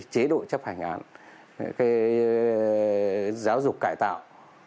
chế độ chấp hành án giáo dục cải tạo